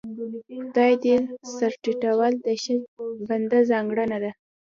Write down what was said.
خدای ته سر ټيټول د ښه بنده ځانګړنه ده.